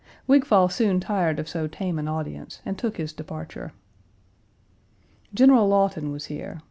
Wigfall soon tired of so tame an audience and took his departure. General Lawton was here.